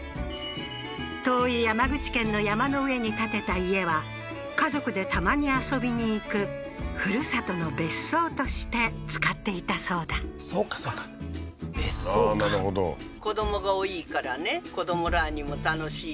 遠い山口県の山の上に建てた家は家族でたまに遊びにいく故郷の別荘として使っていたそうだそうかそうか別荘かなるほどじゃあ彰さん